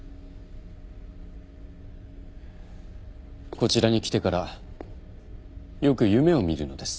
こちらに来てからよく夢を見るのです。